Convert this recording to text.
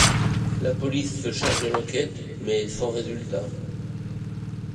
La police se charge de l'enquête mais sans résultats.